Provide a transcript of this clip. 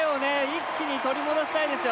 一気に取り戻したいですよ